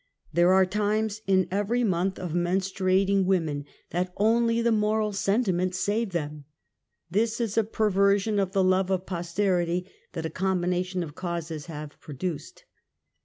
There are times in^very month of menstruating SOCIAL EVIL. 73 women that only the^^oral sentiments save them,\)^ this is a perversion of the love of posterity that a ) combination of causes have produced.